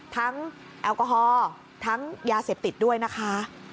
แอลกอฮอล์ทั้งยาเสพติดด้วยนะคะ